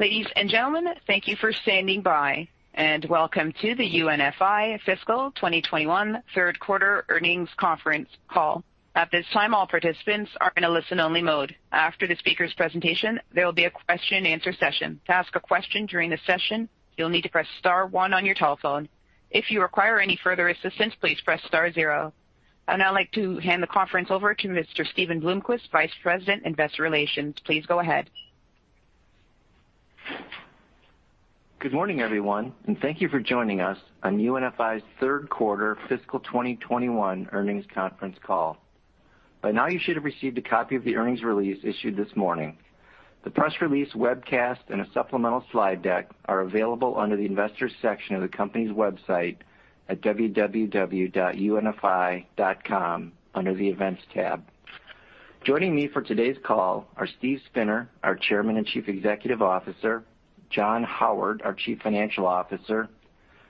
Ladies and gentlemen, thank you for standing by. Welcome to the UNFI Fiscal 2021 third quarter earnings conference call. At this time, all participants are in a listen-only mode. After the speaker's presentation, there will be a question and answer session. To ask a question during the session, you'll need to press star one on your telephone. If you require any further assistance, please press star zero. I'd now like to hand the conference over to Mr. Steven Bloomquist, Vice President, Investor Relations. Please go ahead. Good morning, everyone, and thank you for joining us on UNFI's third quarter fiscal 2021 earnings conference call. By now, you should have received a copy of the earnings release issued this morning. The press release webcast and a supplemental slide deck are available under the Investors section of the company's website at www.unfi.com under the Events tab. Joining me for today's call are Steve Spinner, our Chairman and Chief Executive Officer, John Howard, our Chief Financial Officer,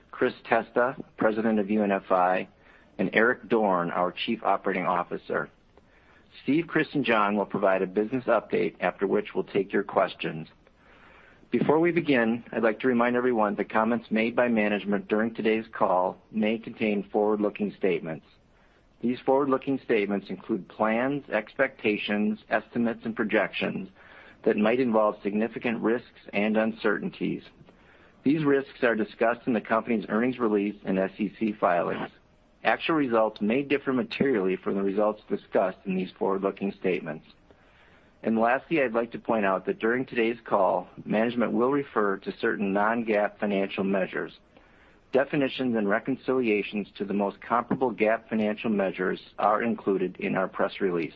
Chris Testa, President of UNFI, and Eric Dorne, our Chief Operating Officer. Steve, Chris, and John will provide a business update, after which we'll take your questions. Before we begin, I'd like to remind everyone that comments made by management during today's call may contain forward-looking statements. These forward-looking statements include plans, expectations, estimates, and projections that might involve significant risks and uncertainties. These risks are discussed in the company's earnings release and SEC filings. Actual results may differ materially from the results discussed in these forward-looking statements. Lastly, I'd like to point out that during today's call, management will refer to certain non-GAAP financial measures. Definitions and reconciliations to the most comparable GAAP financial measures are included in our press release.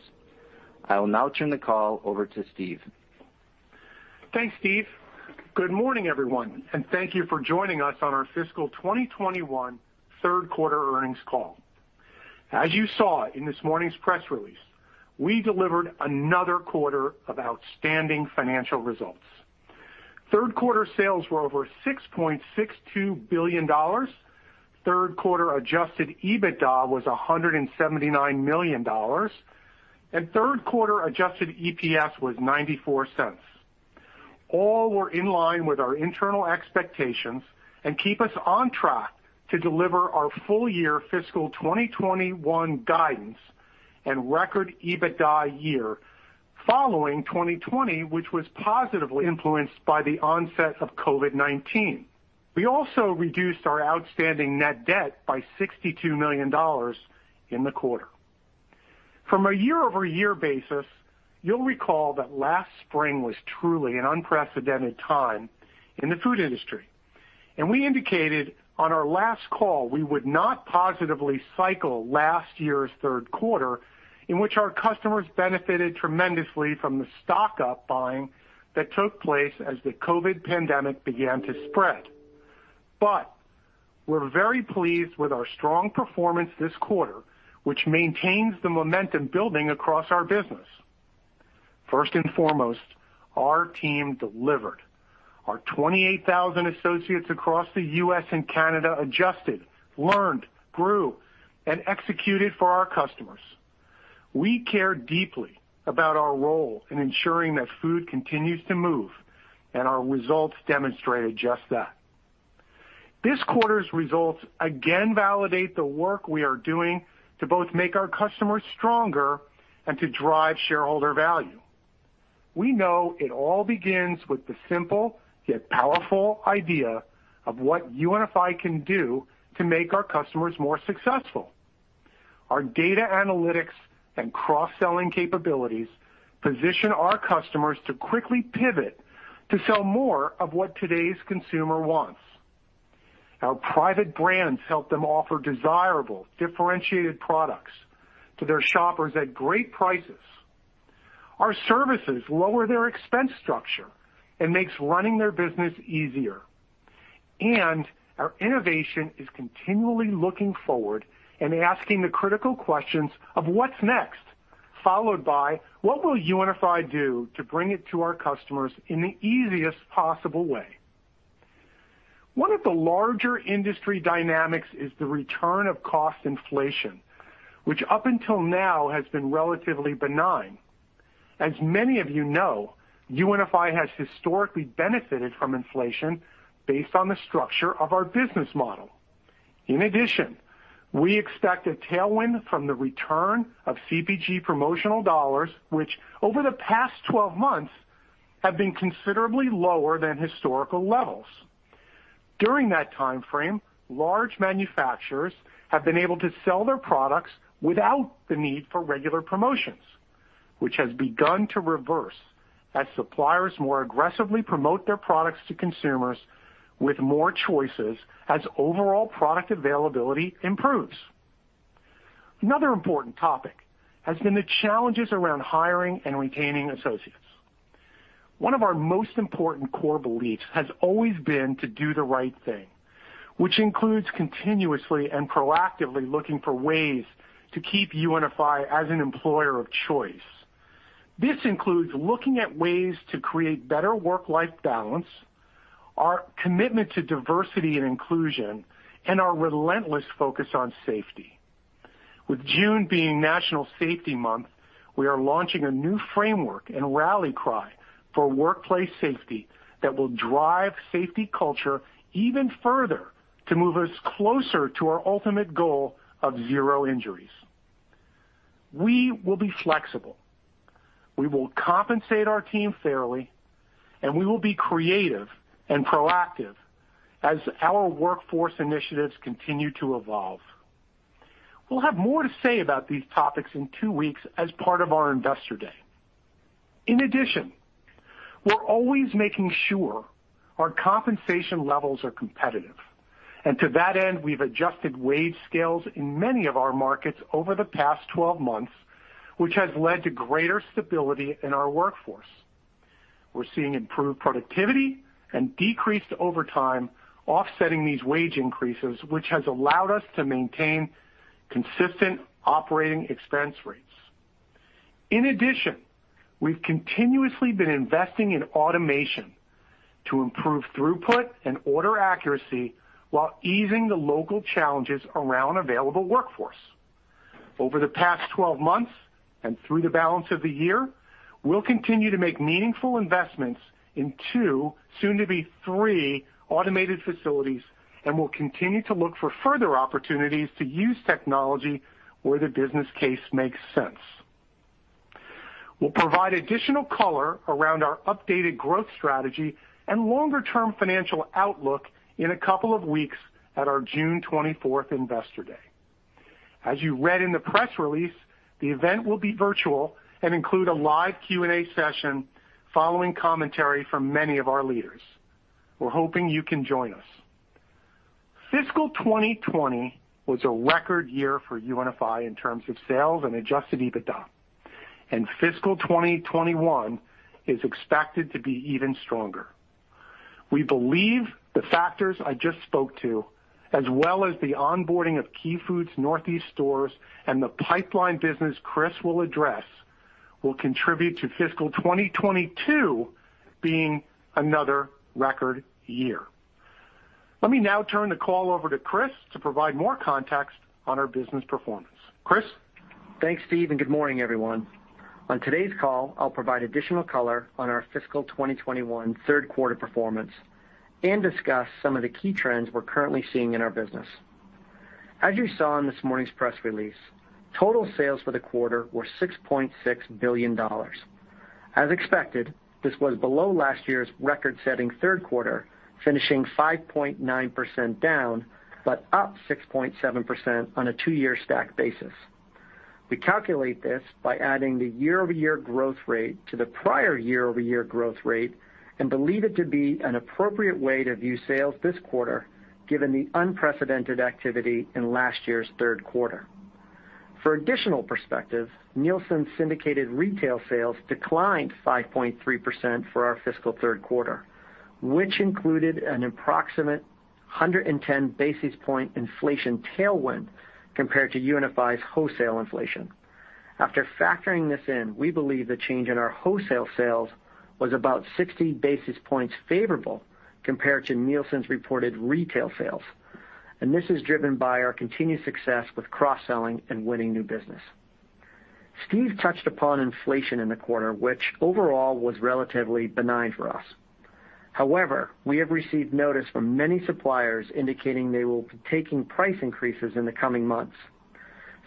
I will now turn the call over to Steve. Thanks, Steve. Good morning, everyone, and thank you for joining us on our fiscal 2021 third quarter earnings call. As you saw in this morning's press release, we delivered another quarter of outstanding financial results. Third quarter sales were over $6.62 billion. Third quarter adjusted EBITDA was $179 million, and third quarter adjusted EPS was $0.94. All were in line with our internal expectations and keep us on track to deliver our full year fiscal 2021 guidance and record EBITDA year following 2020, which was positively influenced by the onset of COVID-19. We also reduced our outstanding net debt by $62 million in the quarter. From a year-over-year basis, you'll recall that last spring was truly an unprecedented time in the food industry, we indicated on our last call we would not positively cycle last year's third quarter, in which our customers benefited tremendously from the stock-up buying that took place as the COVID-19 pandemic began to spread. We're very pleased with our strong performance this quarter, which maintains the momentum building across our business. First and foremost, our team delivered. Our 28,000 associates across the U.S. and Canada adjusted, learned, grew, and executed for our customers. We care deeply about our role in ensuring that food continues to move, our results demonstrated just that. This quarter's results again validate the work we are doing to both make our customers stronger and to drive shareholder value. We know it all begins with the simple yet powerful idea of what UNFI can do to make our customers more successful. Our data analytics and cross-selling capabilities position our customers to quickly pivot to sell more of what today's consumer wants. Our private brands help them offer desirable, differentiated products to their shoppers at great prices. Our services lower their expense structure and makes running their business easier. Our innovation is continually looking forward and asking the critical questions of what's next, followed by what will UNFI do to bring it to our customers in the easiest possible way. One of the larger industry dynamics is the return of cost inflation, which up until now has been relatively benign. As many of you know, UNFI has historically benefited from inflation based on the structure of our business model. In addition, we expect a tailwind from the return of CPG promotional dollars, which over the past 12 months have been considerably lower than historical levels. During that timeframe, large manufacturers have been able to sell their products without the need for regular promotions, which has begun to reverse as suppliers more aggressively promote their products to consumers with more choices as overall product availability improves. Another important topic has been the challenges around hiring and retaining associates. One of our most important core beliefs has always been to do the right thing, which includes continuously and proactively looking for ways to keep UNFI as an employer of choice. This includes looking at ways to create better work-life balance Our commitment to diversity and inclusion and our relentless focus on safety. With June being National Safety Month, we are launching a new framework and rally cry for workplace safety that will drive safety culture even further to move us closer to our ultimate goal of zero injuries. We will be flexible, we will compensate our team fairly, and we will be creative and proactive as our workforce initiatives continue to evolve. We'll have more to say about these topics in two weeks as part of our Investor Day. In addition, we're always making sure our compensation levels are competitive, and to that end, we've adjusted wage scales in many of our markets over the past 12 months, which has led to greater stability in our workforce. We're seeing improved productivity and decreased overtime offsetting these wage increases, which has allowed us to maintain consistent operating expense rates. In addition, we've continuously been investing in automation to improve throughput and order accuracy while easing the local challenges around available workforce. Over the past 12 months and through the balance of the year, we'll continue to make meaningful investments in two, soon to be three, automated facilities, and we'll continue to look for further opportunities to use technology where the business case makes sense. We'll provide additional color around our updated growth strategy and longer-term financial outlook in a couple of weeks at our June 24th Investor Day. As you read in the press release, the event will be virtual and include a live Q&A session following commentary from many of our leaders. We're hoping you can join us. Fiscal 2020 was a record year for UNFI in terms of sales and Adjusted EBITDA, and Fiscal 2021 is expected to be even stronger. We believe the factors I just spoke to, as well as the onboarding of Key Food's Northeast stores and the pipeline business Chris will address, will contribute to fiscal 2022 being another record year. Let me now turn the call over to Chris to provide more context on our business performance. Chris? Thanks, Steve, and good morning, everyone. On today's call, I'll provide additional color on our fiscal 2021 third quarter performance and discuss some of the key trends we're currently seeing in our business. As you saw in this morning's press release, total sales for the quarter were $6.6 billion. As expected, this was below last year's record-setting third quarter, finishing 5.9% down, but up 6.7% on a two-year stack basis. We calculate this by adding the year-over-year growth rate to the prior year-over-year growth rate and believe it to be an appropriate way to view sales this quarter given the unprecedented activity in last year's third quarter. For additional perspective, Nielsen syndicated retail sales declined 5.3% for our fiscal third quarter, which included an approximate 110 basis point inflation tailwind compared to UNFI's wholesale inflation. After factoring this in, we believe the change in our wholesale sales was about 60 basis points favorable compared to Nielsen's reported retail sales. This is driven by our continued success with cross-selling and winning new business. Steve touched upon inflation in the quarter, which overall was relatively benign for us. However, we have received notice from many suppliers indicating they will be taking price increases in the coming months.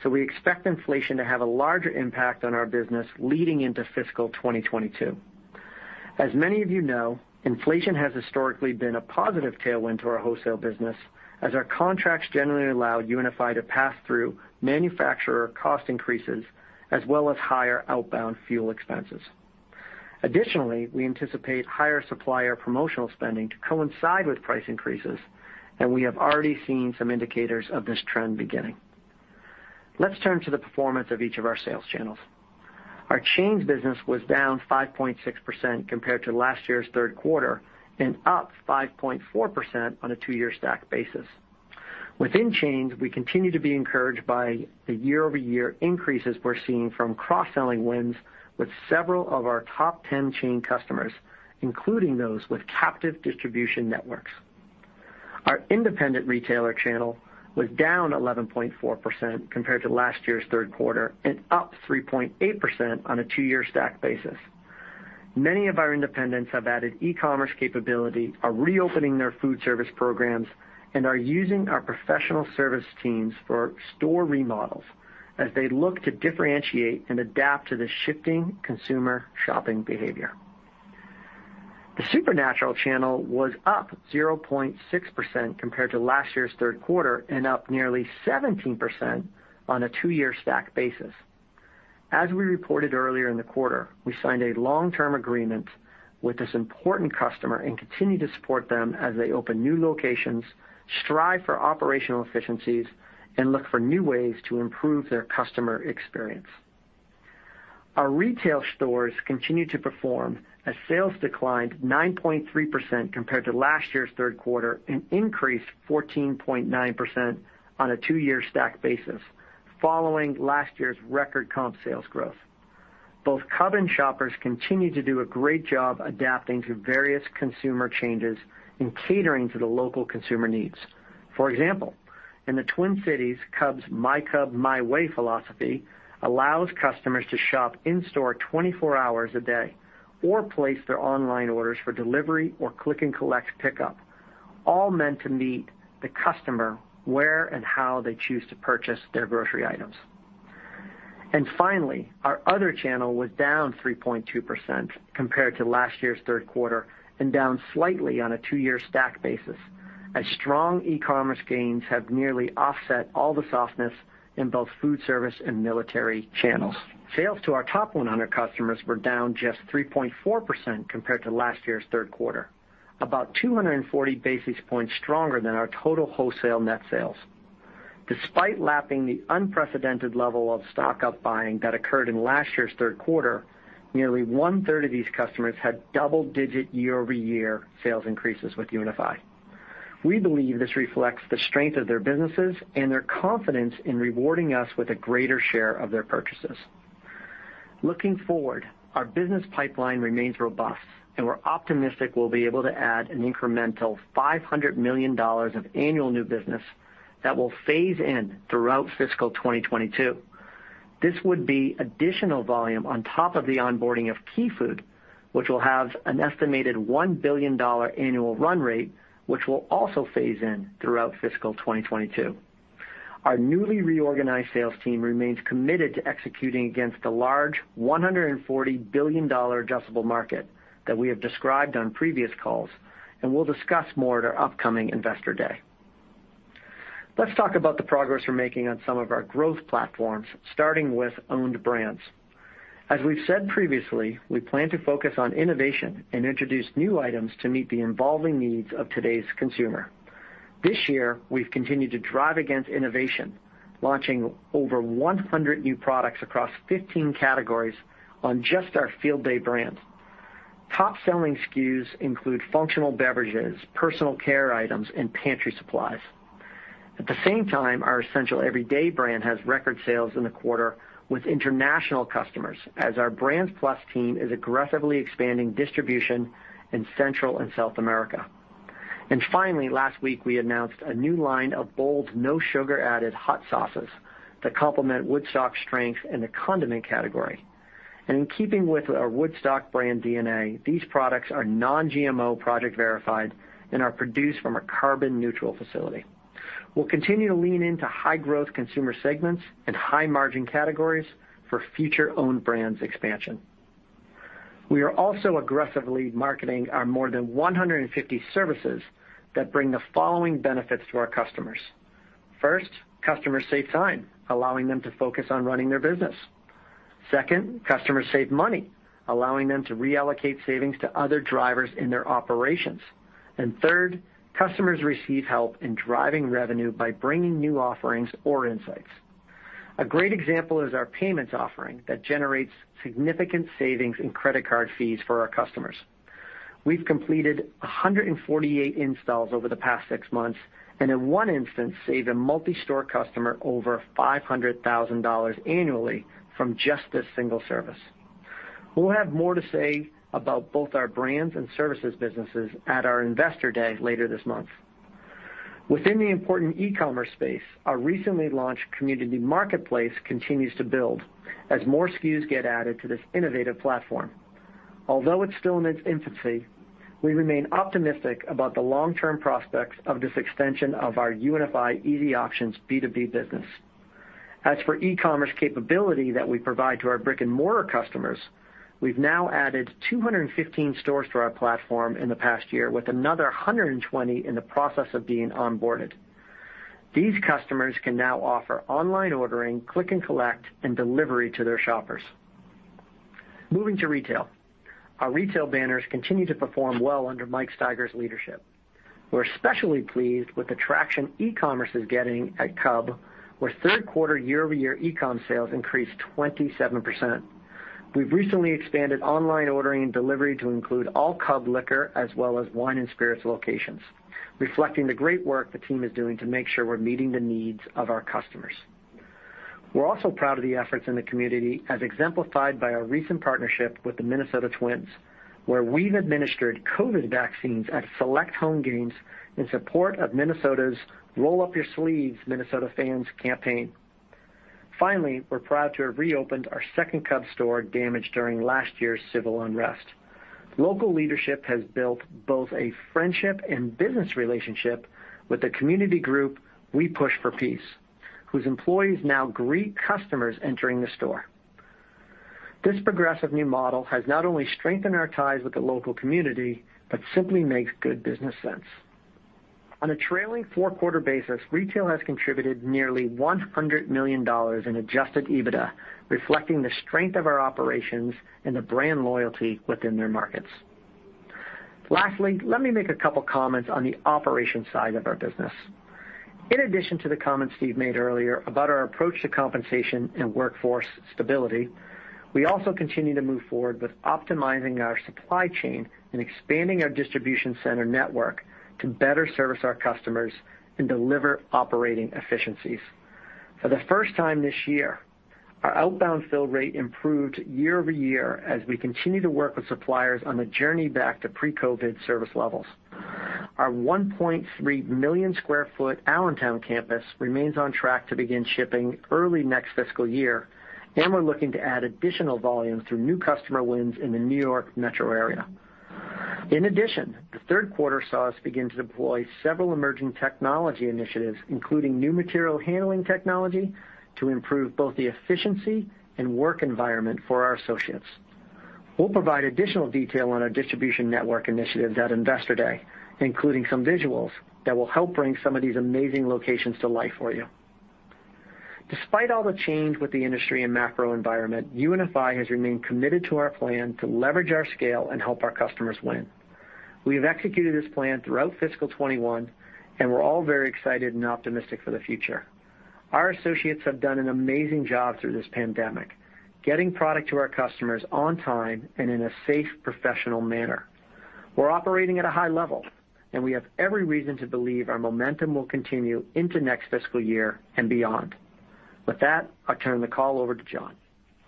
We expect inflation to have a larger impact on our business leading into fiscal 2022. As many of you know, inflation has historically been a positive tailwind to our wholesale business, as our contracts generally allow UNFI to pass through manufacturer cost increases as well as higher outbound fuel expenses. Additionally, we anticipate higher supplier promotional spending to coincide with price increases. We have already seen some indicators of this trend beginning. Let's turn to the performance of each of our sales channels. Our chain business was down 5.6% compared to last year's third quarter and up 5.4% on a two-year stack basis. Within chains, we continue to be encouraged by the year-over-year increases we're seeing from cross-selling wins with several of our top 10 chain customers, including those with captive distribution networks. Our independent retailer channel was down 11.4% compared to last year's third quarter and up 3.8% on a two-year stack basis. Many of our independents have added e-commerce capability, are reopening their food service programs, and are using our professional service teams for store remodels as they look to differentiate and adapt to the shifting consumer shopping behavior. The supernatural channel was up 0.6% compared to last year's third quarter and up nearly 17% on a two-year stack basis. As we reported earlier in the quarter, we signed a long-term agreement with this important customer and continue to support them as they open new locations, strive for operational efficiencies, and look for new ways to improve their customer experience. Our retail stores continue to perform as sales declined 9.3% compared to last year's third quarter and increased 14.9% on a two-year stack basis following last year's record comp sales growth. Both Cub and Shoppers continue to do a great job adapting to various consumer changes and catering to the local consumer needs. For example, in the Twin Cities, Cub's "My Cub, My Way" philosophy allows customers to shop in-store 24 hours a day or place their online orders for delivery or click and collect pickup, all meant to meet the customer where and how they choose to purchase their grocery items. Finally, our other channel was down 3.2% compared to last year's third quarter and down slightly on a two-year stack basis, as strong e-commerce gains have nearly offset all the softness in both food service and military channels. Sales to our top 100 customers were down just 3.4% compared to last year's third quarter, about 240 basis points stronger than our total wholesale net sales. Despite lapping the unprecedented level of stock-up buying that occurred in last year's third quarter, nearly 1/3 of these customers had double-digit year-over-year sales increases with UNFI. We believe this reflects the strength of their businesses and their confidence in rewarding us with a greater share of their purchases. Looking forward, our business pipeline remains robust, and we're optimistic we'll be able to add an incremental $500 million of annual new business that will phase in throughout fiscal 2022. This would be additional volume on top of the onboarding of Key Food, which will have an estimated $1 billion annual run rate, which will also phase in throughout fiscal 2022. Our newly reorganized sales team remains committed to executing against the large $140 billion addressable market that we have described on previous calls and will discuss more at our upcoming Investor Day. Let's talk about the progress we're making on some of our growth platforms, starting with owned brands. As we've said previously, we plan to focus on innovation and introduce new items to meet the evolving needs of today's consumer. This year, we've continued to drive against innovation, launching over 100 new products across 15 categories on just our Field Day brands. Top-selling SKUs include functional beverages, personal care items, and pantry supplies. At the same time, our Essential Everyday brand has record sales in the quarter with international customers as our Brands+ team is aggressively expanding distribution in Central and South America. Finally, last week, we announced a new line of bold, no sugar-added hot sauces to complement Woodstock's strength in the condiment category. In keeping with our Woodstock brand DNA, these products are Non-GMO Project Verified and are produced from a carbon-neutral facility. We'll continue to lean into high-growth consumer segments and high-margin categories for future owned brands expansion. We are also aggressively marketing our more than 150 services that bring the following benefits to our customers. First, customers save time, allowing them to focus on running their business. Second, customers save money, allowing them to reallocate savings to other drivers in their operations. Third, customers receive help in driving revenue by bringing new offerings or insights. A great example is our payments offering that generates significant savings in credit card fees for our customers. We've completed 148 installs over the past six months, and in one instance, saved a multi-store customer over $500,000 annually from just this single service. We'll have more to say about both our brands and services businesses at our Investor Day later this month. Within the important e-commerce space, our recently launched Community Marketplace continues to build as more SKUs get added to this innovative platform. Although it's still in its infancy, we remain optimistic about the long-term prospects of this extension of our UNFI Easy Options B2B business. As for e-commerce capability that we provide to our brick-and-mortar customers, we've now added 215 stores to our platform in the past year, with another 120 in the process of being onboarded. These customers can now offer online ordering, click and collect, and delivery to their shoppers. Moving to retail. Our retail banners continue to perform well under Mike Stigers' leadership. We're especially pleased with the traction e-commerce is getting at Cub, where third quarter year-over-year e-com sales increased 27%. We've recently expanded online ordering and delivery to include all Cub liquor as well as wine and spirits locations, reflecting the great work the team is doing to make sure we're meeting the needs of our customers. We're also proud of the efforts in the community, as exemplified by our recent partnership with the Minnesota Twins, where we've administered COVID vaccines at select home games in support of Minnesota's Roll Up Your Sleeves, MN campaign. Finally, we're proud to have reopened our second Cub store damaged during last year's civil unrest. Local leadership has built both a friendship and business relationship with the community group We Push for Peace, whose employees now greet customers entering the store. This progressive new model has not only strengthened our ties with the local community but simply makes good business sense. On a trailing four-quarter basis, retail has contributed nearly $100 million in adjusted EBITDA, reflecting the strength of our operations and the brand loyalty within their markets. Lastly, let me make a couple comments on the operations side of our business. In addition to the comments Steve made earlier about our approach to compensation and workforce stability, we also continue to move forward with optimizing our supply chain and expanding our distribution center network to better service our customers and deliver operating efficiencies. For the first time this year. Our outbound fill rate improved year-over-year as we continue to work with suppliers on the journey back to pre-COVID service levels. Our 1.3 million sq ft Allentown campus remains on track to begin shipping early next fiscal year, and we're looking to add additional volume through new customer wins in the New York metro area. The third quarter saw us begin to deploy several emerging technology initiatives, including new material handling technology to improve both the efficiency and work environment for our associates. We'll provide additional detail on our distribution network initiatives at Investor Day, including some visuals that will help bring some of these amazing locations to life for you. Despite all the change with the industry and macro environment, UNFI has remained committed to our plan to leverage our scale and help our customers win. We have executed this plan throughout fiscal 2021, and we're all very excited and optimistic for the future. Our associates have done an amazing job through this pandemic, getting product to our customers on time and in a safe, professional manner. We're operating at a high level, and we have every reason to believe our momentum will continue into next fiscal year and beyond. With that, I'll turn the call over to John.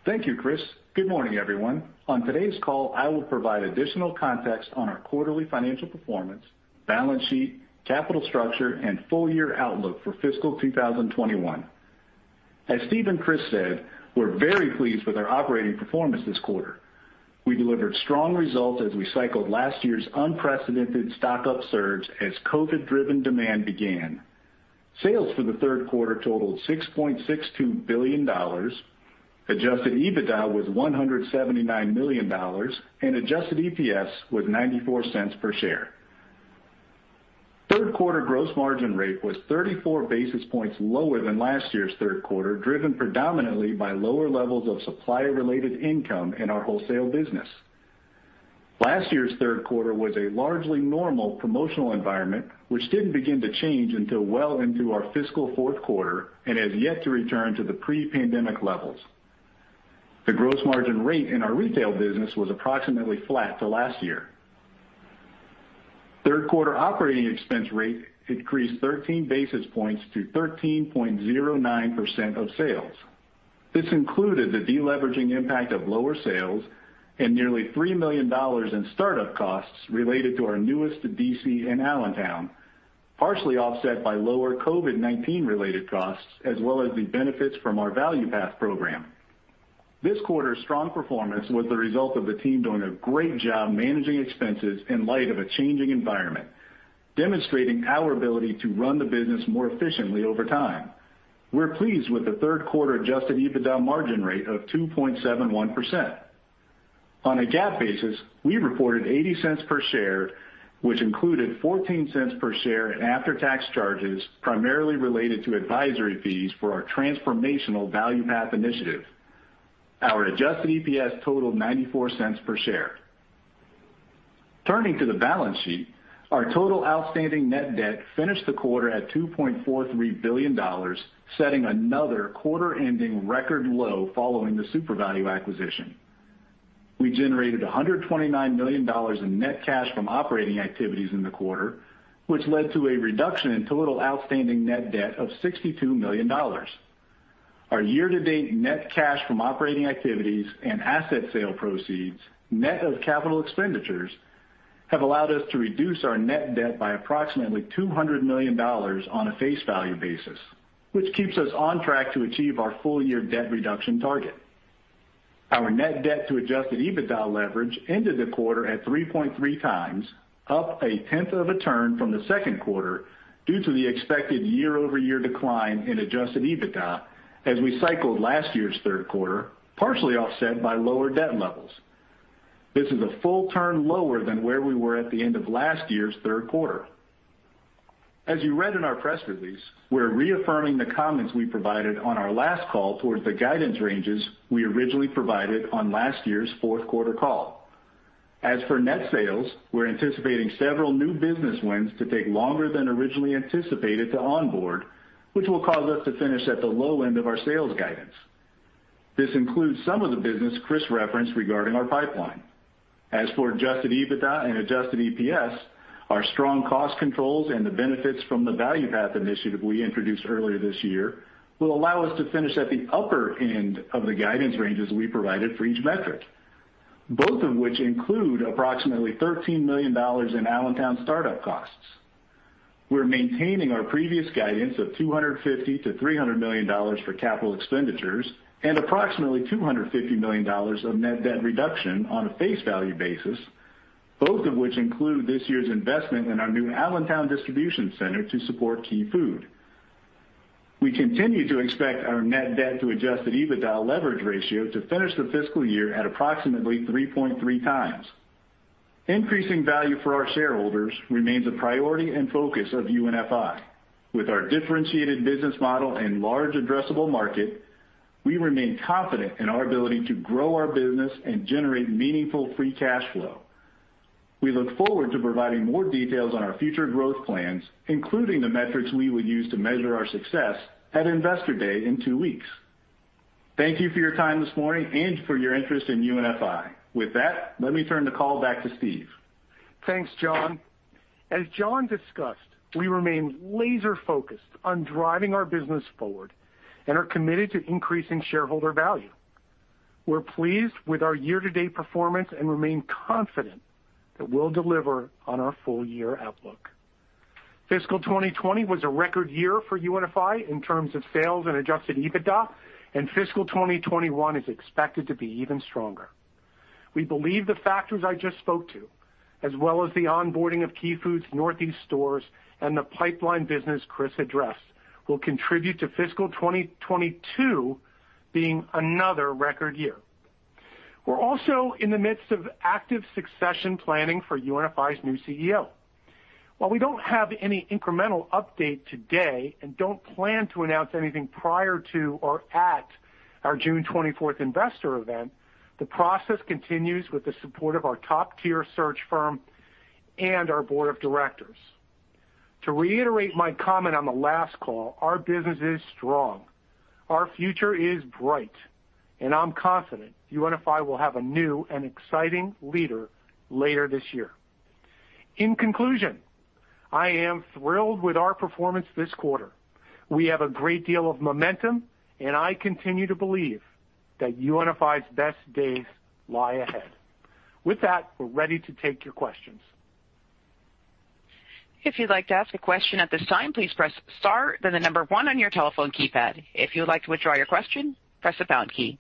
Thank you, Chris. Good morning, everyone. On today's call, I will provide additional context on our quarterly financial performance, balance sheet, capital structure, and full-year outlook for fiscal 2021. As Steve and Chris said, we're very pleased with our operating performance this quarter. We delivered strong results as we cycled last year's unprecedented stock-up surge as COVID-driven demand began. Sales for the third quarter totaled $6.62 billion, Adjusted EBITDA was $179 million, and Adjusted EPS was $0.94 per share. Third quarter gross margin rate was 34 basis points lower than last year's third quarter, driven predominantly by lower levels of supplier-related income in our wholesale business. Last year's third quarter was a largely normal promotional environment, which didn't begin to change until well into our fiscal fourth quarter and has yet to return to the pre-pandemic levels. The gross margin rate in our retail business was approximately flat to last year. Third quarter operating expense rate increased 13 basis points to 13.09% of sales. This included the deleveraging impact of lower sales and nearly $3 million in startup costs related to our newest DC in Allentown, partially offset by lower COVID-19 related costs, as well as the benefits from our Value Path program. This quarter's strong performance was the result of the team doing a great job managing expenses in light of a changing environment, demonstrating our ability to run the business more efficiently over time. We're pleased with the third quarter Adjusted EBITDA margin rate of 2.71%. On a GAAP basis, we reported $0.80 per share, which included $0.14 per share in after-tax charges, primarily related to advisory fees for our transformational Value Path initiative. Our Adjusted EPS totaled $0.94 per share. Turning to the balance sheet, our total outstanding net debt finished the quarter at $2.43 billion, setting another quarter-ending record low following the SUPERVALU acquisition. We generated $129 million in net cash from operating activities in the quarter, which led to a reduction in total outstanding net debt of $62 million. Our year-to-date net cash from operating activities and asset sale proceeds, net of capital expenditures, have allowed us to reduce our net debt by approximately $200 million on a face value basis, which keeps us on track to achieve our full-year debt reduction target. Our net debt to adjusted EBITDA leverage ended the quarter at 3.3x, up a tenth of a turn from the second quarter due to the expected year-over-year decline in adjusted EBITDA as we cycled last year's third quarter, partially offset by lower debt levels. This is a full turn lower than where we were at the end of last year's third quarter. As you read in our press release, we're reaffirming the comments we provided on our last call towards the guidance ranges we originally provided on last year's fourth quarter call. As for net sales, we're anticipating several new business wins to take longer than originally anticipated to onboard, which will cause us to finish at the low end of our sales guidance. This includes some of the business Chris referenced regarding our pipeline. As for adjusted EBITDA and adjusted EPS, our strong cost controls and the benefits from the Value Path initiative we introduced earlier this year will allow us to finish at the upper end of the guidance ranges we provided for each metric, both of which include approximately $13 million in Allentown startup costs. We're maintaining our previous guidance of $250 million-$300 million for capital expenditures and approximately $250 million of net debt reduction on a face value basis, both of which include this year's investment in our new Allentown distribution center to support Key Food. We continue to expect our net debt to adjusted EBITDA leverage ratio to finish the fiscal year at approximately 3.3x. Increasing value for our shareholders remains a priority and focus of UNFI. With our differentiated business model and large addressable market, we remain confident in our ability to grow our business and generate meaningful free cash flow. We look forward to providing more details on our future growth plans, including the metrics we would use to measure our success, at Investor Day in two weeks. Thank you for your time this morning and for your interest in UNFI. With that, let me turn the call back to Steve. Thanks, John. As John discussed, we remain laser-focused on driving our business forward and are committed to increasing shareholder value. We're pleased with our year-to-date performance and remain confident that we'll deliver on our full-year outlook. Fiscal 2020 was a record year for UNFI in terms of sales and Adjusted EBITDA. Fiscal 2021 is expected to be even stronger. We believe the factors I just spoke to, as well as the onboarding of Key Food's Northeast stores and the pipeline business Chris addressed, will contribute to fiscal 2022 being another record year. We're also in the midst of active succession planning for UNFI's new CEO. While we don't have any incremental update today and don't plan to announce anything prior to or at our June 24th investor event, the process continues with the support of our top-tier search firm and our board of directors. To reiterate my comment on the last call, our business is strong, our future is bright, and I'm confident UNFI will have a new and exciting leader later this year. In conclusion, I am thrilled with our performance this quarter. We have a great deal of momentum, and I continue to believe that UNFI's best days lie ahead. With that, we're ready to take your questions. If you'd like to ask a question at this time, please press star, then the number one1 on your telephone keypad. If you'd like to withdraw your question, press the pound key.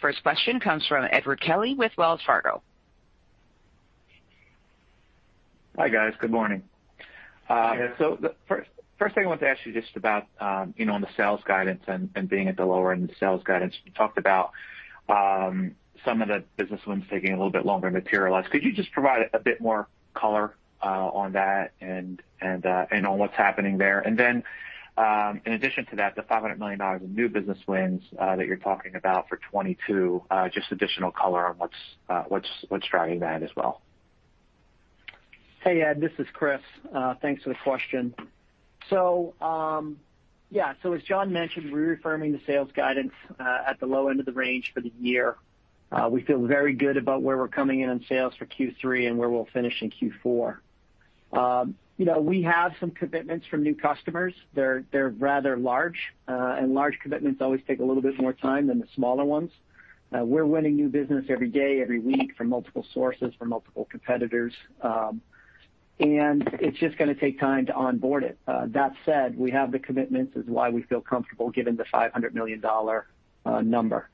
First question comes from Edward Kelly with Wells Fargo. Hi, guys. Good morning. Hi. The first thing I wanted to ask you just about the sales guidance and being at the lower end of sales guidance. You talked about some of the business wins taking a little bit longer to materialize. Could you just provide a bit more color on that and on what's happening there? In addition to that, the $500 million of new business wins that you're talking about for 2022, just additional color on what's driving that as well. Hey, Ed, this is Chris. Thanks for the question. Yeah, as John mentioned, we're reaffirming the sales guidance at the low end of the range for the year. We feel very good about where we're coming in on sales for Q3 and where we'll finish in Q4. We have some commitments from new customers. They're rather large, and large commitments always take a little bit more time than the smaller ones. We're winning new business every day, every week from multiple sources, from multiple competitors. It's just gonna take time to onboard it. That said, we have the commitments is why we feel comfortable giving the $500 million number.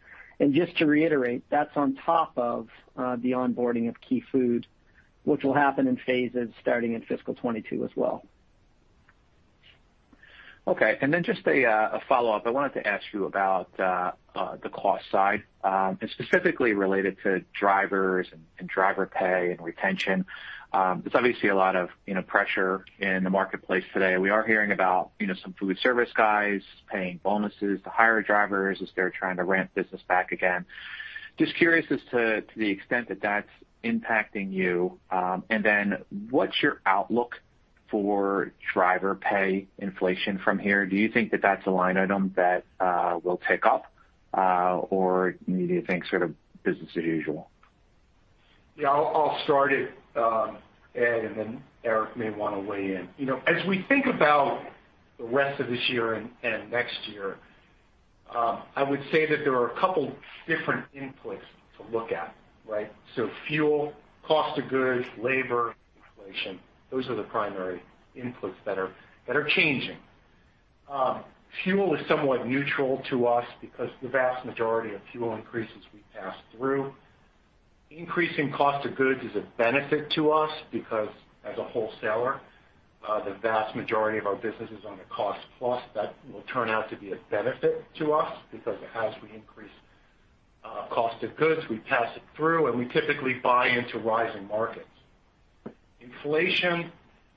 Just to reiterate, that's on top of the onboarding of Key Food, which will happen in phases starting in fiscal 2022 as well. Okay. Just a follow-up. I wanted to ask you about the cost side, and specifically related to drivers and driver pay and retention. There's obviously a lot of pressure in the marketplace today. We are hearing about some food service guys paying bonuses to hire drivers as they're trying to ramp business back again. Just curious as to the extent that that's impacting you. What's your outlook for driver pay inflation from here? Do you think that that's a line item that will tick up, or do you think sort of business as usual? Yeah, I'll start it, Ed, and then Eric may want to weigh in. As we think about the rest of this year and next year, I would say that there are a couple different inputs to look at, right? Fuel, cost of goods, labor, inflation, those are the primary inputs that are changing. Fuel is somewhat neutral to us because the vast majority of fuel increases we pass through. Increasing cost of goods is a benefit to us because, as a wholesaler, the vast majority of our business is on a cost-plus. That will turn out to be a benefit to us because as we increase cost of goods, we pass it through, and we typically buy into rising markets. Inflation,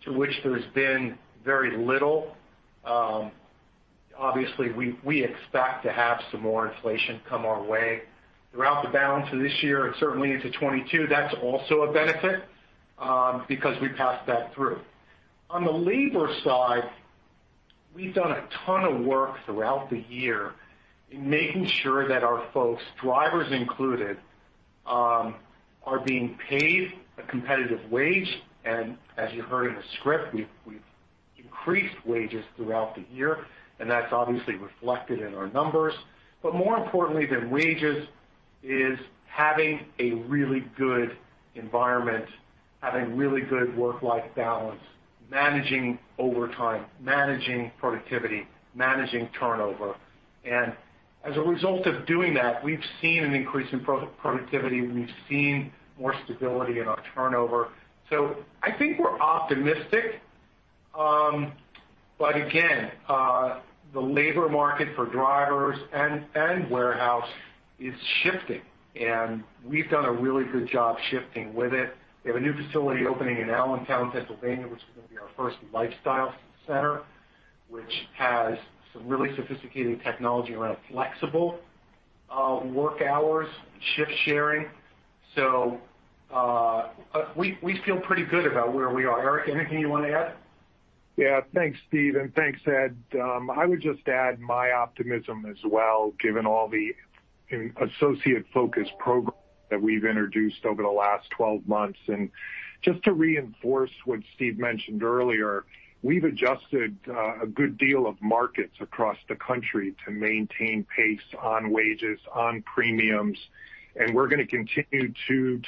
to which there's been very little, obviously, we expect to have some more inflation come our way throughout the balance of this year and certainly into 2022. That's also a benefit because we pass that through. On the labor side, we've done a ton of work throughout the year in making sure that our folks, drivers included, are being paid a competitive wage. As you heard in the script, we've increased wages throughout the year, and that's obviously reflected in our numbers. More importantly than wages is having a really good environment, having really good work-life balance, managing overtime, managing productivity, managing turnover. As a result of doing that, we've seen an increase in productivity. We've seen more stability in our turnover. I think we're optimistic. Again, the labor market for drivers and warehouse is shifting, and we've done a really good job shifting with it. We have a new facility opening in Allentown, Pennsylvania, which is gonna be our first lifestyle center, which has some really sophisticated technology around flexible work hours, shift sharing. We feel pretty good about where we are. Eric, anything you want to add? Yeah. Thanks, Steve, and thanks, Ed. I would just add my optimism as well, given all the associate-focused programs that we've introduced over the last 12 months. Just to reinforce what Steve mentioned earlier, we've adjusted a good deal of markets across the country to maintain pace on wages, on premiums, and we're going to continue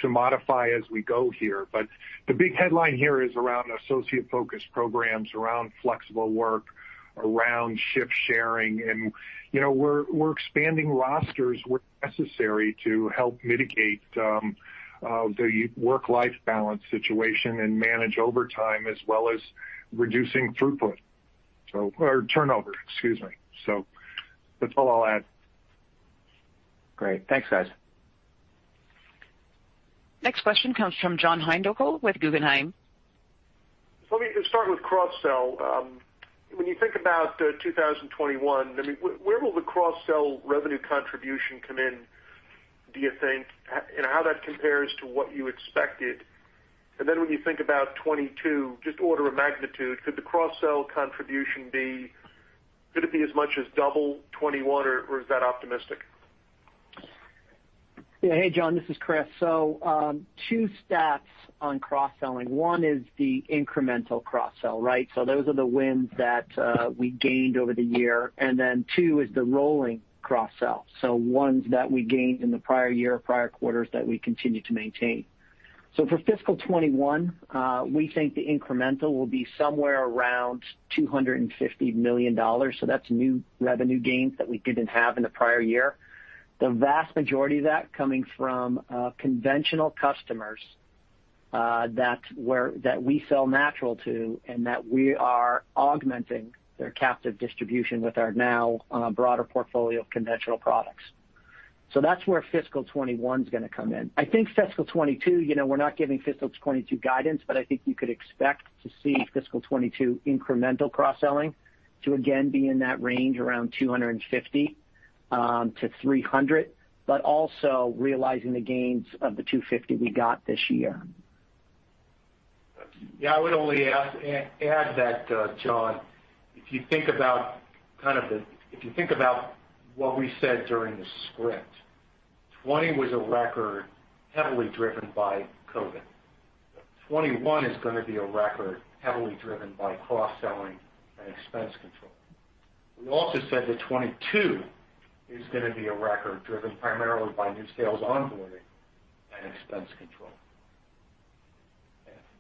to modify as we go here. The big headline here is around associate-focused programs, around flexible work, around shift sharing, and we're expanding rosters where necessary to help mitigate the work-life balance situation and manage overtime, as well as reducing throughput. Turnover, excuse me. That's all I'll add. Great. Thanks, guys. Next question comes from John Heinbockel with Guggenheim. Let me just start with cross-sell. When you think about 2021, where will the cross-sell revenue contribution come in, do you think? How that compares to what you expected? When you think about 2022, just order of magnitude, could the cross-sell contribution be as much as double 2021, or is that optimistic? Hey, John, this is Chris. Two stats on cross-selling. One is the incremental cross-sell, right? Those are the wins that we gained over the year. Two is the rolling cross-sell. Ones that we gained in the prior year, prior quarters that we continue to maintain. For FY 2021, we think the incremental will be somewhere around $250 million. That's new revenue gains that we didn't have in the prior year. The vast majority of that coming from conventional customers that we sell natural to, and that we are augmenting their captive distribution with our now broader portfolio of conventional products. That's where FY 2021 is going to come in. I think fiscal 2022, we're not giving fiscal 2022 guidance, but I think you could expect to see fiscal 2022 incremental cross-selling to again be in that range around $250 million-$300 million, but also realizing the gains of the $250 million we got this year. Yeah, I would only add that, John, if you think about what we said during the script, 2020 was a record heavily driven by COVID-19. 2021 is going to be a record heavily driven by cross-selling and expense control. We also said that 2022 is going to be a record driven primarily by new sales onboarding and expense control.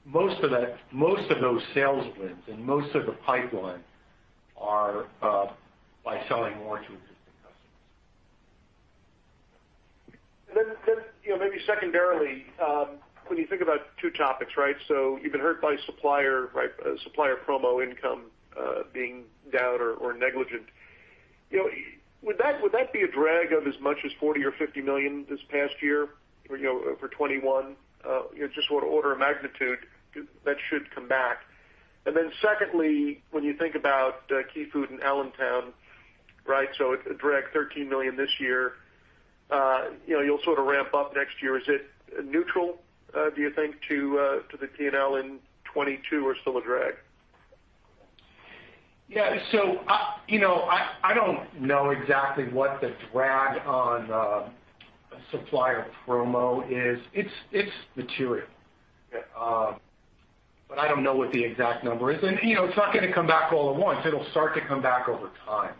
Most of those sales wins and most of the pipeline are by selling more to existing customers. Maybe secondarily, when you think about two topics, right? You've been hurt by supplier promo income being down or negligent. Would that be a drag of as much as $40 million or $50 million this past year for 2021? Just sort of order of magnitude that should come back. Secondly, when you think about Key Food in Allentown, right? A drag of $13 million this year. You'll sort of ramp up next year. Is it neutral, do you think, to the P&L in 2022 or still a drag? Yeah. I don't know exactly what the drag on supplier promo is. It's material. I don't know what the exact number is. It's not going to come back all at once. It'll start to come back over time.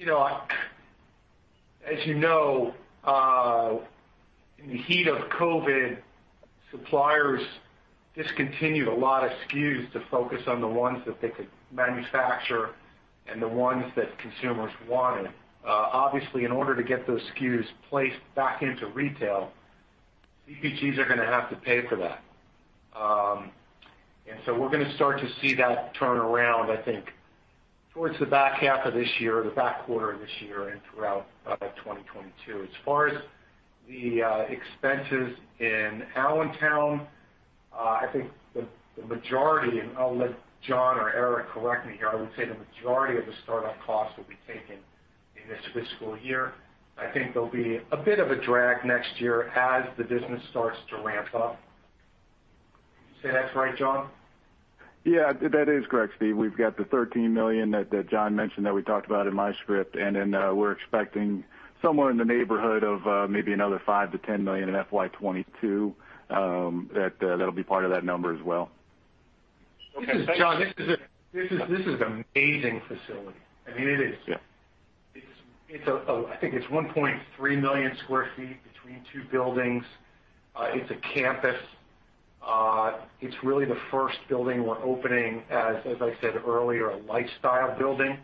As you know, in the heat of COVID, suppliers discontinued a lot of SKUs to focus on the ones that they could manufacture and the ones that consumers wanted. Obviously, in order to get those SKUs placed back into retail, CPGs are going to have to pay for that. We're going to start to see that turn around, I think, towards the back half of this year, the back quarter of this year, and throughout 2022. As far as the expenses in Allentown, I think the majority, and I'll let John or Eric correct me here, I would say the majority of the startup costs will be taken in this fiscal year. I think there'll be a bit of a drag next year as the business starts to ramp up. Would you say that's right, John? Yeah, that is correct, Steve. We've got the $13 million that John mentioned that we talked about in my script, and then we're expecting somewhere in the neighborhood of maybe another $5 million-$10 million in FY 2022. That'll be part of that number as well. John, this is an amazing facility. Yeah. I think it's 1.3 million sq ft between two buildings. It's a campus. It's really the first building we're opening as I said earlier, a lifestyle building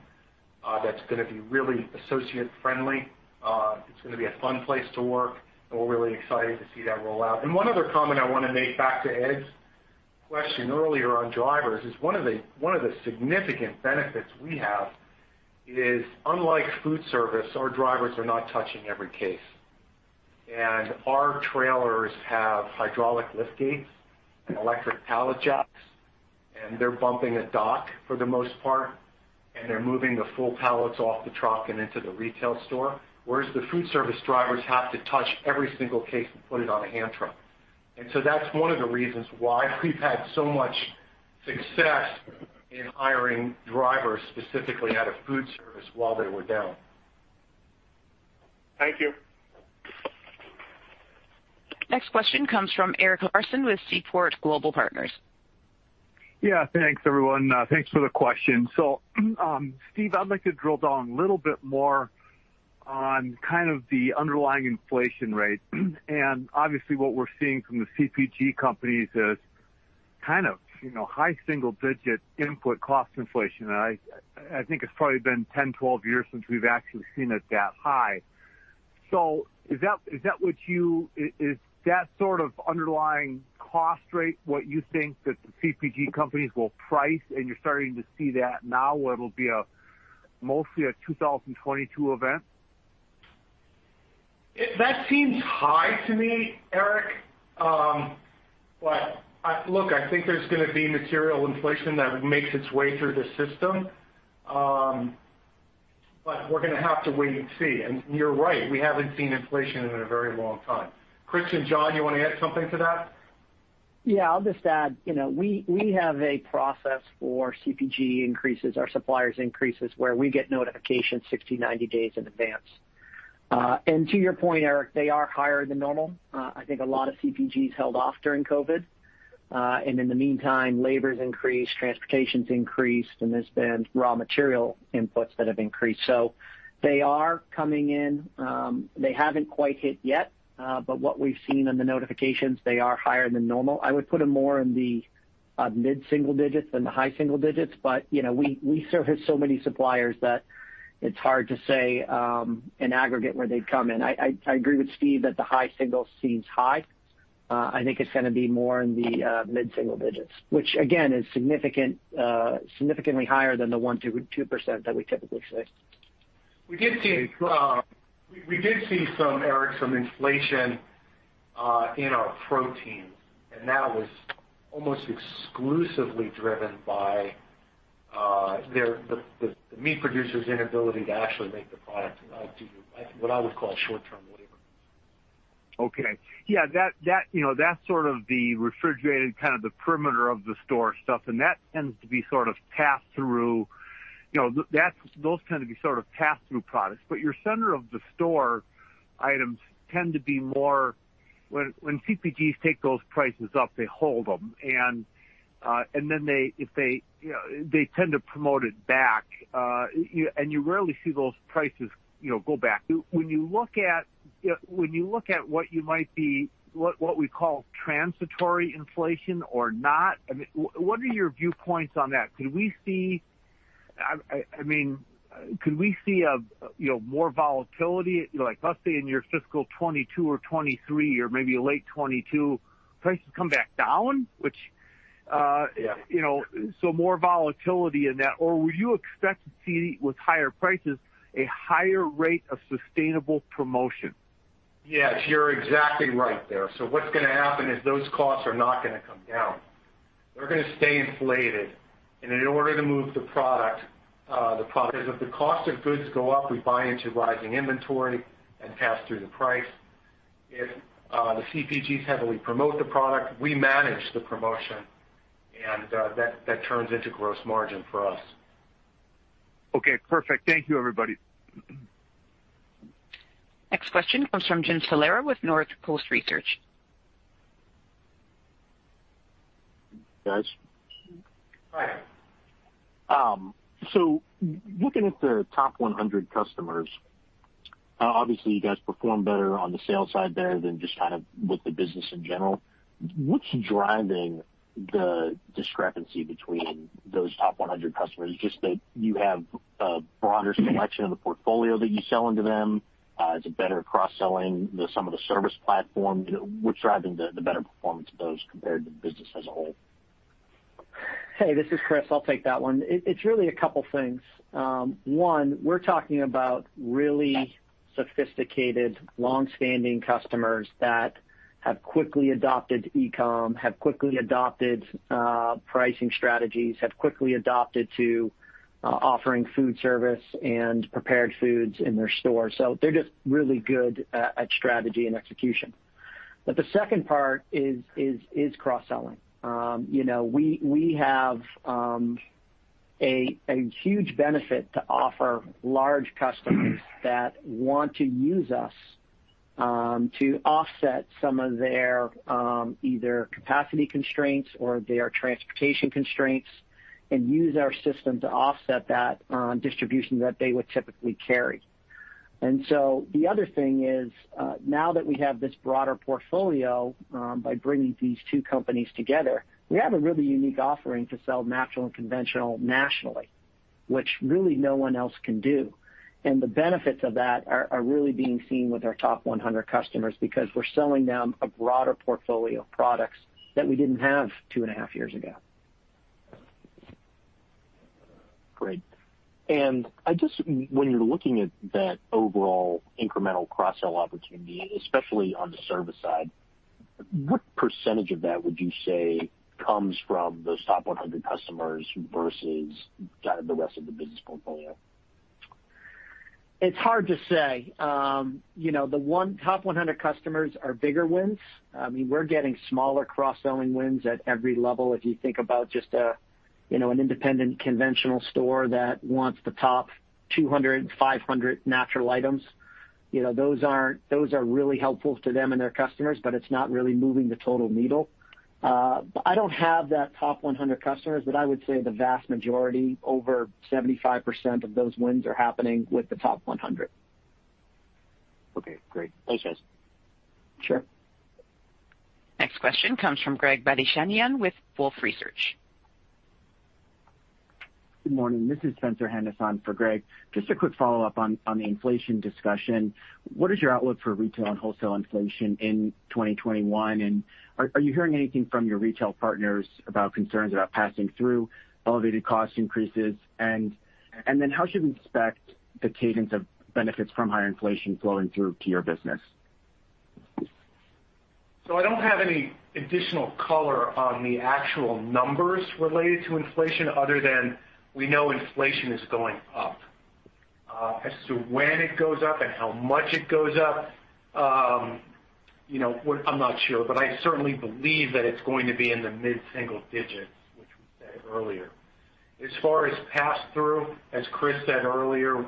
that's going to be really associate friendly. It's going to be a fun place to work. We're really excited to see that roll out. One other comment I want to make back to Edward Kelly's question earlier on drivers is one of the significant benefits we have is, unlike food service, our drivers are not touching every case. Our trailers have hydraulic lift gates and electric pallet jacks. They're bumping a dock for the most part, and they're moving the full pallets off the truck and into the retail store. Whereas the food service drivers have to touch every single case and put it on a hand truck. That's one of the reasons why we've had so much success in hiring drivers specifically out of food service while they were down. Thank you. Next question comes from Eric Larson with Seaport Global Partners. Yeah. Thanks, everyone. Thanks for the question. Steve, I'd like to drill down a little bit more on kind of the underlying inflation rates. Obviously what we're seeing from the CPG companies is kind of high single digit input cost inflation. I think it's probably been 10, 12 years since we've actually seen it that high. Is that sort of underlying cost rate what you think that the CPG companies will price, and you're starting to see that now, where it'll be mostly a 2022 event? That seems high to me, Eric. Look, I think there's going to be material inflation that makes its way through the system. We're going to have to wait and see. You're right. We haven't seen inflation in a very long time. Chris and John, you want to add something to that? Yeah, I'll just add, we have a process for CPG increases, our suppliers increases, where we get notification 60, 90 days in advance. To your point, Eric, they are higher than normal. I think a lot of CPGs held off during COVID-19. In the meantime, labor's increased, transportation's increased, and there's been raw material inputs that have increased. They are coming in. They haven't quite hit yet. What we've seen in the notifications, they are higher than normal. I would put them more in the mid-single digits than the high single digits. We service so many suppliers that it's hard to say, in aggregate, where they've come in. I agree with Steve that the high single seems high. I think it's going to be more in the mid-single digits. Which again, is significantly higher than the 1%-2% that we typically see. We did see, Eric, some inflation in our protein. That was almost exclusively driven by the meat producer's inability to actually make the product due to what I would call short-term labor. Okay. Yeah, that's sort of the refrigerated kind of the perimeter of the store stuff. Those tend to be sort of pass-through products. Your center of the store items tend to be more, when CPGs take those prices up, they hold them. They tend to promote it back. You rarely see those prices go back. When you look at what we call transitory inflation or not, what are your viewpoints on that? Could we see more volatility, like let's say in your fiscal 2022 or 2023 or maybe late 2022, prices come back down? More volatility in that. Will you expect to see, with higher prices, a higher rate of sustainable promotion? Yes, you're exactly right there. What's going to happen is those costs are not going to come down. They're going to stay inflated. In order to move the product, because if the cost of goods go up, we buy into rising inventory and pass through the price. If the CPGs heavily promote the product, we manage the promotion and that turns into gross margin for us. Okay, perfect. Thank you everybody. Next question comes from Jim Salera with Northcoast Research. Guys? Go ahead. Looking at the top 100 customers, obviously you guys perform better on the sales side there than just kind of with the business in general. What's driving the discrepancy between those top 100 customers? Just that you have a broader selection of the portfolio that you sell into them? It's a better cross-selling than some of the service platform? What's driving the better performance of those compared to the business as a whole? Hey, this is Chris. I'll take that one. It's really a couple things. One, we're talking about really sophisticated, long-standing customers that have quickly adopted e-com, have quickly adopted pricing strategies, have quickly adopted to offering food service and prepared foods in their stores. They're just really good at strategy and execution. The second part is cross-selling. We have a huge benefit to offer large customers that want to use us to offset some of their either capacity constraints or their transportation constraints and use our system to offset that distribution that they would typically carry. The other thing is, now that we have this broader portfolio by bringing these two companies together, we have a really unique offering to sell natural and conventional nationally. Which really no one else can do. The benefits of that are really being seen with our top 100 customers because we're selling them a broader portfolio of products that we didn't have two and a half years ago. Great. I guess when you're looking at that overall incremental cross-sell opportunity, especially on the service side, what percentage of that would you say comes from those top 100 customers versus the rest of the business portfolio? It's hard to say. The top 100 customers are bigger wins. We're getting smaller cross-selling wins at every level. If you think about just an independent conventional store that wants the top 200, 500 natural items. Those are really helpful to them and their customers, but it's not really moving the total needle. I don't have that top 100 customers, but I would say the vast majority, over 75% of those wins are happening with the top 100. Okay, great. Thanks, Steve. Sure. Next question comes from Greg Badishkanian with Wolfe Research. Good morning, this is Spencer Hanus in for Greg. Just a quick follow-up on the inflation discussion. What is your outlook for retail and wholesale inflation in 2021? Are you hearing anything from your retail partners about concerns about passing through elevated cost increases? How should we expect the cadence of benefits from higher inflation flowing through to your business? I don't have any additional color on the actual numbers related to inflation other than we know inflation is going up. As to when it goes up and how much it goes up, I'm not sure. I certainly believe that it's going to be in the mid-single digits, which we said earlier. As far as pass-through, as Chris said earlier,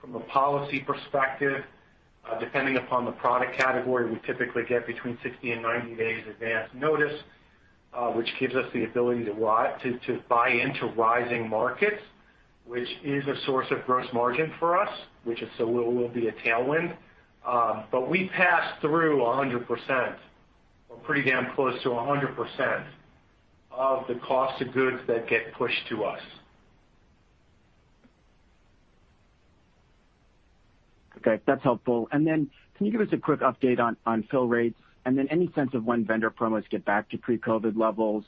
from a policy perspective, depending upon the product category, we typically get between 60 and 90 days advance notice, which gives us the ability to buy into rising markets, which is a source of gross margin for us, which will be a tailwind. We pass through 100%, or pretty damn close to 100%, of the cost of goods that get pushed to us. Okay. That's helpful. Can you give us a quick update on fill rates and then any sense of when vendor promos get back to pre-COVID levels?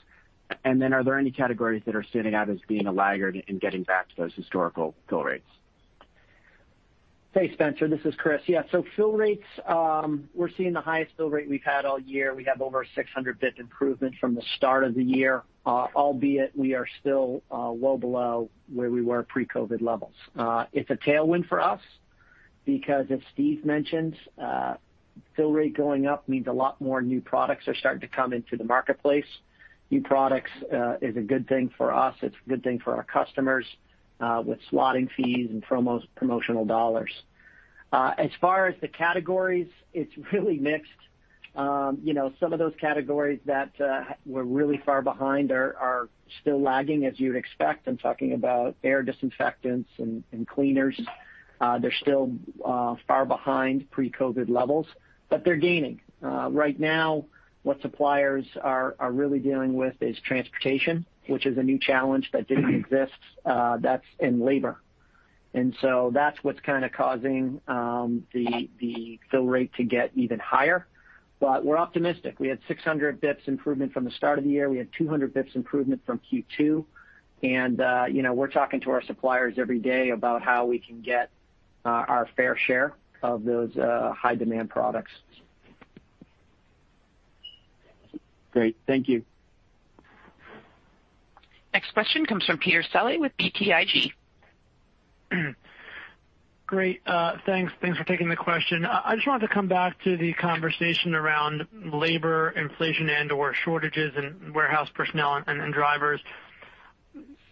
Are there any categories that are standing out as being a laggard in getting back to those historical fill rates? Thanks, Spencer. This is Chris. Yeah, fill rates, we're seeing the highest fill rate we've had all year. We have over 600 basis points improvement from the start of the year, albeit we are still well below where we were pre-COVID levels. It's a tailwind for us because as Steve mentioned, fill rate going up means a lot more new products are starting to come into the marketplace. New products is a good thing for us. It's a good thing for our customers with slotting fees and promotional dollars. As far as the categories, it's really mixed. Some of those categories that were really far behind are still lagging, as you would expect. I'm talking about air disinfectants and cleaners. They're still far behind pre-COVID levels, they're gaining. Right now, what suppliers are really dealing with is transportation, which is a new challenge that didn't exist, and labor. That's what's kind of causing the fill rate to get even higher. We're optimistic. We had 600 basis points improvement from the start of the year. We had 200 basis points improvement from Q2, and we're talking to our suppliers every day about how we can get our fair share of those high demand products. Great. Thank you. Next question comes from Peter Saleh with BTIG. Great. Thanks for taking the question. I just wanted to come back to the conversation around labor, inflation and/or shortages in warehouse personnel and drivers.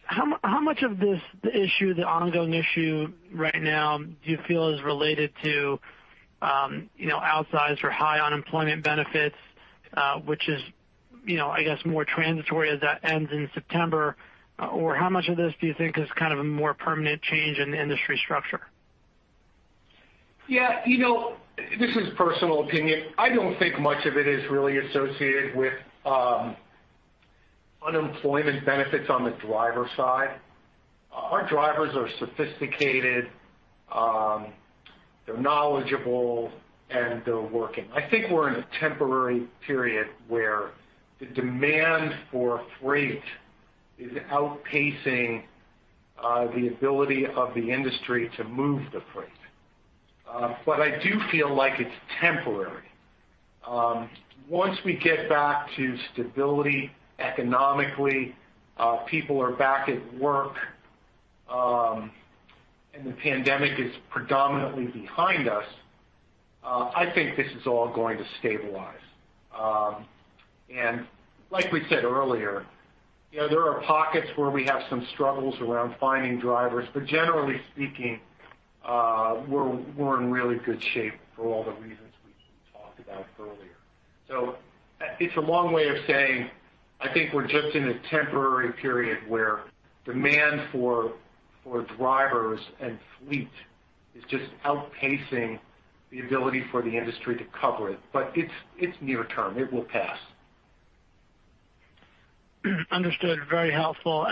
How much of this issue, the ongoing issue right now, do you feel is related to outsized or high unemployment benefits, which is, I guess, more transitory as that ends in September? How much of this do you think is kind of a more permanent change in the industry structure? Yeah. This is personal opinion. I don't think much of it is really associated with unemployment benefits on the driver side. Our drivers are sophisticated, they're knowledgeable, and they're working. I think we're in a temporary period where the demand for freight is outpacing the ability of the industry to move the freight. I do feel like it's temporary. Once we get back to stability economically, people are back at work, and the pandemic is predominantly behind us, I think this is all going to stabilize. Like we said earlier, there are pockets where we have some struggles around finding drivers. Generally speaking, we're in really good shape for all the reasons we talked about earlier. It's a long way of saying, I think we're just in a temporary period where demand for drivers and fleet is just outpacing the ability for the industry to cover it. It's near term. It will pass. Understood. Very helpful.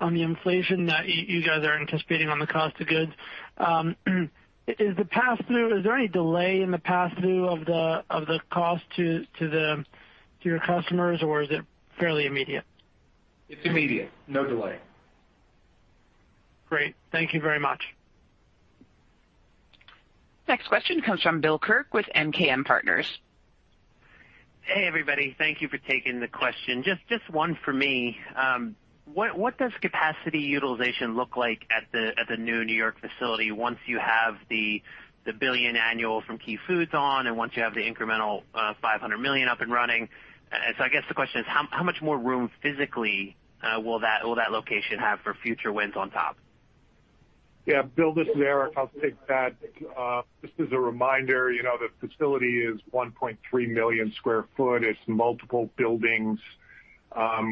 On the inflation that you guys are anticipating on the cost of goods, is there any delay in the pass-through of the cost to your customers, or is it fairly immediate? It's immediate. No delay. Great. Thank you very much. Next question comes from Bill Kirk with MKM Partners. Hey, everybody. Thank you for taking the question. Just one for me. What does capacity utilization look like at the new New York facility once you have the $1 billion annual from Key Food on, and once you have the incremental $500 million up and running? I guess the question is, how much more room physically will that location have for future wins on top? Yeah, Bill, this is Eric. I'll take that. Just as a reminder, the facility is 1.3 million sq ft. It's multiple buildings.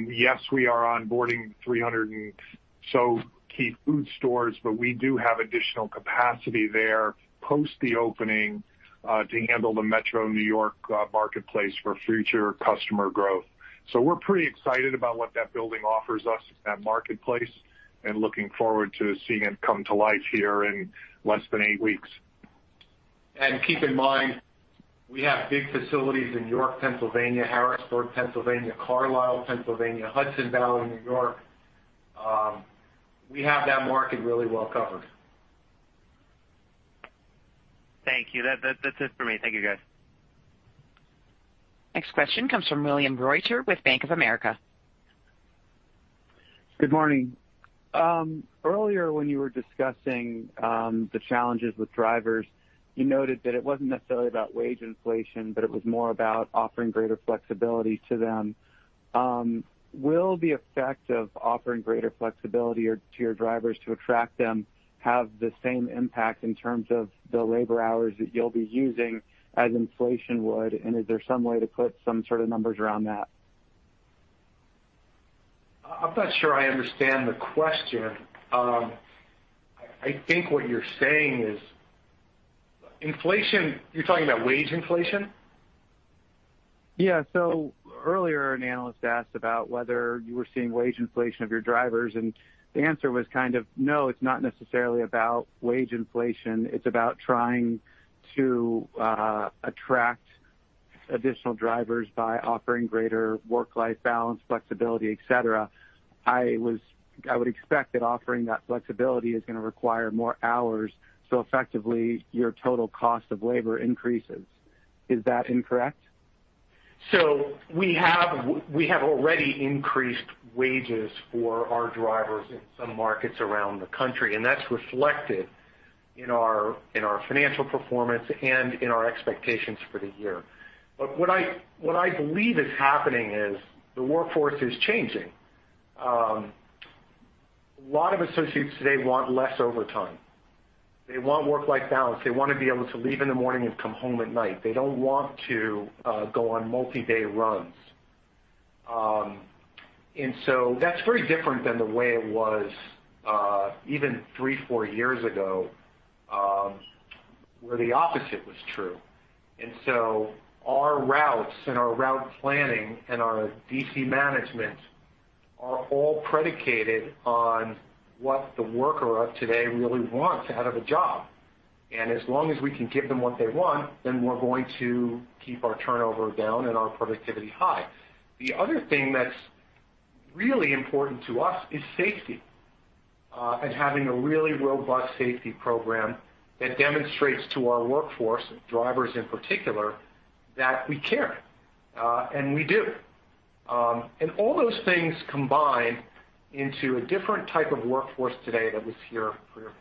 Yes, we are onboarding 300 and so Key Food stores. We do have additional capacity there post the opening to handle the metro New York marketplace for future customer growth. We're pretty excited about what that building offers us in that marketplace and looking forward to seeing it come to life here in less than eight weeks. Keep in mind, we have big facilities in York, Pennsylvania, Harrisburg, Pennsylvania, Carlisle, Pennsylvania, Hudson Valley, N.Y. We have that market really well covered. Thank you. That's it for me. Thank you, guys. Next question comes from William Reuter with Bank of America. Good morning. Earlier, when you were discussing the challenges with drivers, you noted that it wasn't necessarily about wage inflation, but it was more about offering greater flexibility to them. Will the effect of offering greater flexibility to your drivers to attract them have the same impact in terms of the labor hours that you'll be using as inflation would, and is there some way to put some sort of numbers around that? I'm not sure I understand the question. I think what you're saying is You're talking about wage inflation? Yeah. Earlier, an analyst asked about whether you were seeing wage inflation of your drivers, and the answer was kind of, "No, it's not necessarily about wage inflation. It's about trying to attract additional drivers by offering greater work-life balance, flexibility, et cetera." I would expect that offering that flexibility is going to require more hours, so effectively, your total cost of labor increases. Is that incorrect? We have already increased wages for our drivers in some markets around the country, and that's reflected in our financial performance and in our expectations for the year. What I believe is happening is the workforce is changing. A lot of associates today want less overtime. They want work-life balance. They want to be able to leave in the morning and come home at night. They don't want to go on multi-day runs. That's very different than the way it was even three, four years ago, where the opposite was true. Our routes and our route planning and our DC management are all predicated on what the worker of today really wants out of a job. As long as we can give them what they want, then we're going to keep our turnover down and our productivity high. The other thing that's really important to us is safety and having a really robust safety program that demonstrates to our workforce, drivers in particular, that we care, and we do. All those things combine into a different type of workforce today than was here three or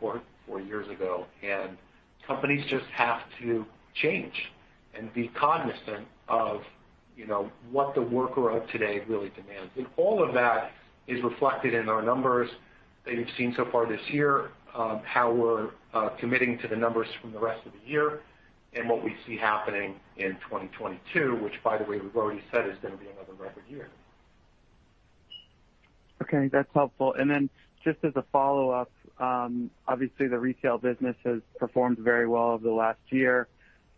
four years ago, and companies just have to change and be cognizant of what the worker of today really demands. All of that is reflected in our numbers that you've seen so far this year, how we're committing to the numbers from the rest of the year, and what we see happening in 2022, which, by the way, we've already said is going to be another record year. Okay. That's helpful. Then just as a follow-up, obviously, the retail business has performed very well over the last year.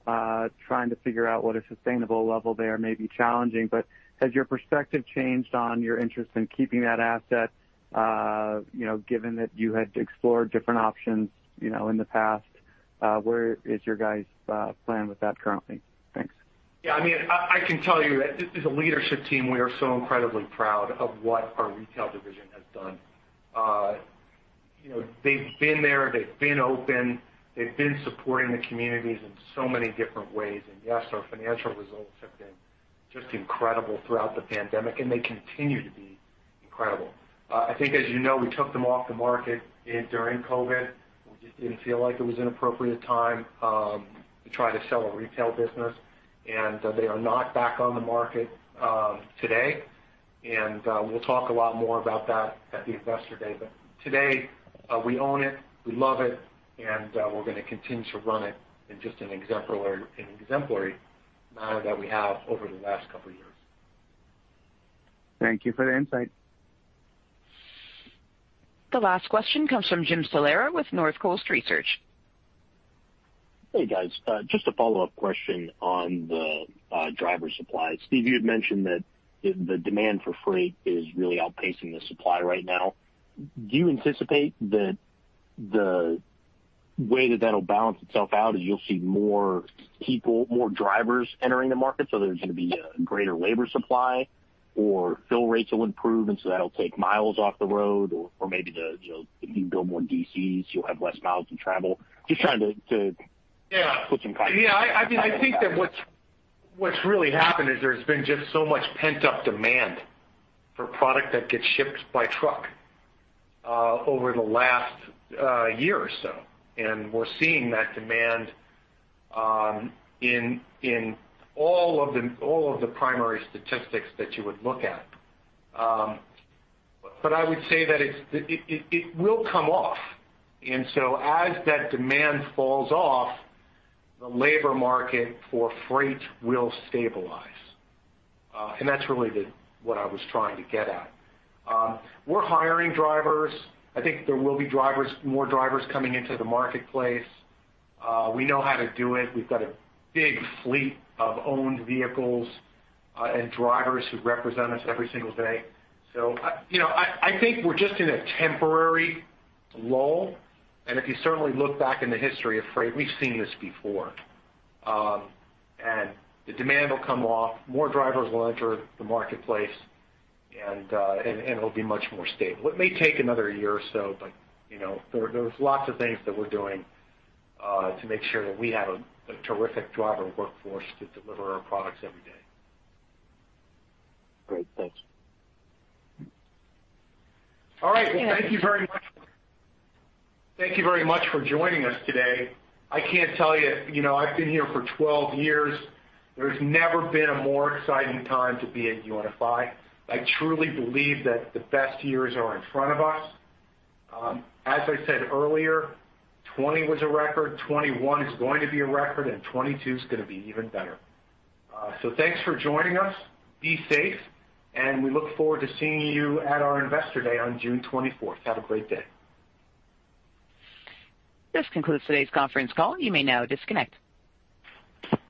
Trying to figure out what a sustainable level there may be challenging, but has your perspective changed on your interest in keeping that asset given that you had explored different options in the past? Where is your guys' plan with that currently? Thanks. Yeah. I can tell you that as a leadership team, we are so incredibly proud of what our retail division has done. They've been there, they've been open, they've been supporting the communities in so many different ways. Yes, our financial results have been just incredible throughout the pandemic, and they continue to be incredible. I think, as you know, we took them off the market during COVID-19. We just didn't feel like it was an appropriate time to try to sell a retail business, and they are not back on the market today. We'll talk a lot more about that at the investor day. Today, we own it, we love it, and we're going to continue to run it in just an exemplary manner that we have over the last couple of years. Thank you for the insight. The last question comes from Jim Salera with Northcoast Research. Hey, guys. Just a follow-up question on the driver supply. Steve, you had mentioned that the demand for freight is really outpacing the supply right now. Do you anticipate that the way that'll balance itself out is you'll see more people, more drivers entering the market, so there's going to be a greater labor supply, or fill rates will improve, and so that'll take miles off the road, or maybe you can build more DCs, so you'll have less miles to travel? Yeah put some context. Yeah, I think that what's really happened is there's been just so much pent-up demand for product that gets shipped by truck over the last year or so. We're seeing that demand in all of the primary statistics that you would look at. I would say that it will come off. As that demand falls off, the labor market for freight will stabilize. That's really what I was trying to get at. We're hiring drivers. I think there will be more drivers coming into the marketplace. We know how to do it. We've got a big fleet of owned vehicles, and drivers who represent us every single day. I think we're just in a temporary lull, and if you certainly look back in the history of freight, we've seen this before. The demand will come off. More drivers will enter the marketplace, and it'll be much more stable. It may take another year or so, but there's lots of things that we're doing to make sure that we have a terrific driver workforce to deliver our products every day. Great. Thank you. All right. Well, thank you very much for joining us today. I can't tell you, I've been here for 12 years. There's never been a more exciting time to be at UNFI. I truly believe that the best years are in front of us. As I said earlier, 2020 was a record, 2021 is going to be a record, and 2022 is going to be even better. Thanks for joining us. Be safe, and we look forward to seeing you at our Investor Day on June 24th. Have a great day. This concludes today's conference call. You may now disconnect.